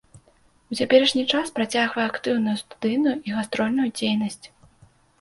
У цяперашні час працягвае актыўную студыйную і гастрольную дзейнасць.